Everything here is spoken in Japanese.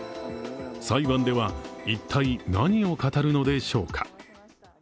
裁判では一体何を語るのでしょうか。